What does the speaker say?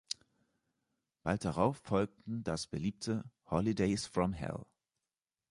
Bald darauf folgten das beliebte „Holidays from Hell“.